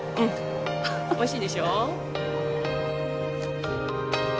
おいしいでしょ。